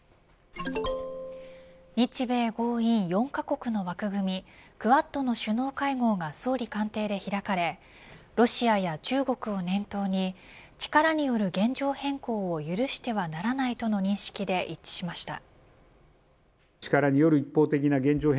日米豪印４カ国の枠組みクアッドの首脳会合が総理官邸で開かれロシアや中国を念頭に力による現状変更を許してはならないとの認識で一致しました。